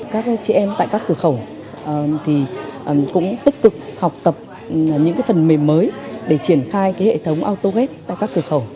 các chị em tại các cửa khẩu thì cũng tích cực học tập những cái phần mềm mới để triển khai cái hệ thống autogest tại các cửa khẩu